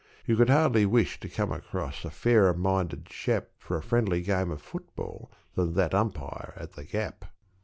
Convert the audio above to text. You could hardly wish to come across a fairer minded chap For a friendly game of football than that umpire at The Gap.